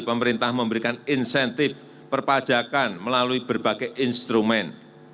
pemerintah memberikan insentif perpajakan melalui berbagai instrumen